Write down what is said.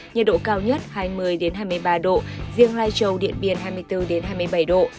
nhiệt độ cao nhất hai mươi đến hai mươi ba độ riêng lai châu điện biển hai mươi bốn đến hai mươi bảy độ